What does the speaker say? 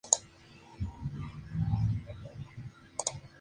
Hijo de Tomás González Martínez y Epifanía Gamarra.